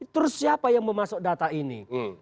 terus siapa yang memasuk data ini